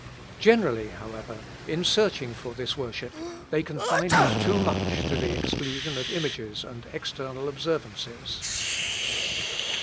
Generally, however, in searching for this worship, they confine it too much to the exclusion of images and external observances.